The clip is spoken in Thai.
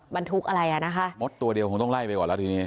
บรรทุกอะไรอ่ะนะคะมดตัวเดียวคงต้องไล่ไปก่อนแล้วทีนี้